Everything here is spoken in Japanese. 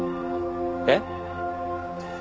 えっ？